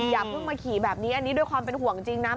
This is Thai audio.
อย่าเพิ่งมาขี่แบบนี้อันนี้ด้วยความเป็นห่วงจริงนะ